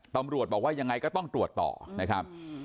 ตำรวจบอกว่ายังไงก็ต้องตรวจต่อนะครับ